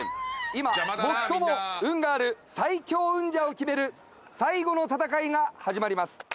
今最も運がある最強運者を決める最後の戦いが始まります。